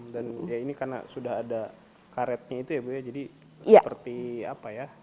dan ya ini karena sudah ada karetnya itu ya bu ya jadi seperti apa ya